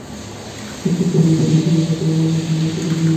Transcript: চার সপ্তাহের মতো ওখানে ছিলাম, সপ্তাহের পাঁচ দিনই যেতে হতো শুনানিতে।